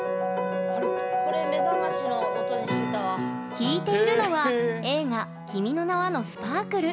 弾いているのは映画「君の名は。」の「スパークル」。